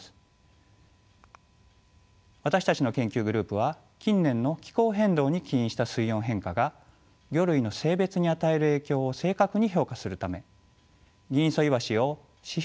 私たちの研究グループは近年の気候変動に起因した水温変化が魚類の性別に与える影響を正確に評価するためギンイソイワシを指標